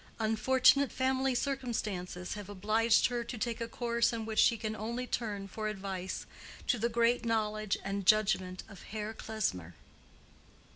Unfortunate family circumstances have obliged her to take a course in which she can only turn for advice to the great knowledge and judgment of Herr Klesmer.